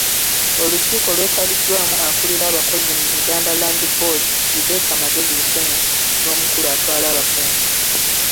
Olukiiko lwetabiddwamu akulira abakozi mu Buganda Land Board, Rebecca Magezi Bukenya n’omukulu atwala abapunta.